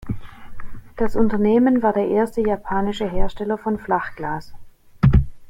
Das Unternehmen war der erste japanische Hersteller von Flachglas.